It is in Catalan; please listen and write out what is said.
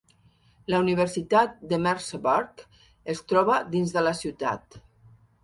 La Universitat de Merseburg es troba dins de la ciutat.